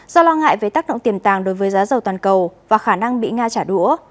do lo ngại về tác động tiềm tàng đối với giá dầu toàn cầu và khả năng bị nga trả đũa